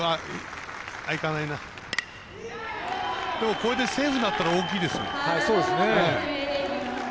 これでセーフになったら大きいです。